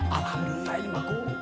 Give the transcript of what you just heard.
alhamdulillah ini ma kum